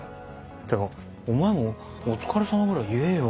ってかお前も「お疲れさま」ぐらい言えよ。